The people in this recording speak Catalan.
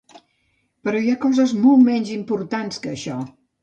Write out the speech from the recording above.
Però hi ha coses molt menys importants que això.